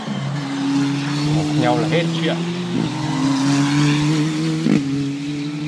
Bỏ nhau là hết chuyện